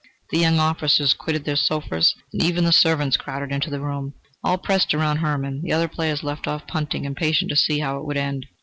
The young officers quitted their sofas, and even the servants crowded into the room. All pressed round Hermann. The other players left off punting, impatient to see how it would end.